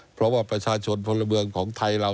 เพราะว่าประชาชนพลเมืองของไทยเรา